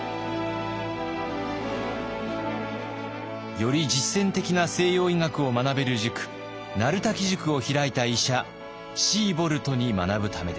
より実践的な西洋医学を学べる塾鳴滝塾を開いた医者シーボルトに学ぶためでした。